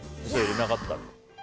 みそなかったら。